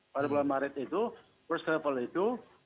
pada bulan maret itu first travel itu